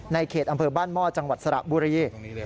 เขตอำเภอบ้านหม้อจังหวัดสระบุรี